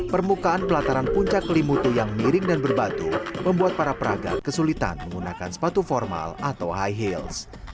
permukaan pelataran puncak kelimutu yang miring dan berbatu membuat para peragat kesulitan menggunakan sepatu formal atau high heels